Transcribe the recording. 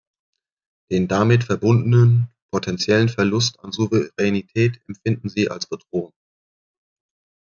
Den damit verbundenen potenziellen Verlust an Souveränität empfinden sie als Bedrohung.